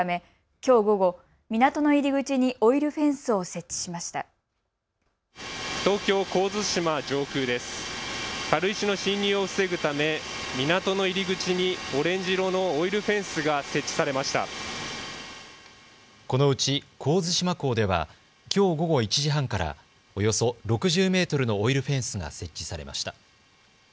このうち神津島港ではきょう午後１時半からおよそ６０メートルのオイルフェンスが設置されました。